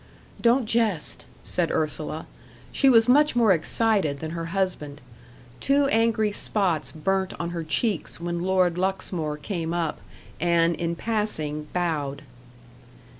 "Don't jest," said Ursula. She was much more excited than her husband. Two angry spots burnt on her cheeks when Lord Luxmore came up, and, in passing, bowed.